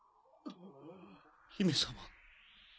姫様。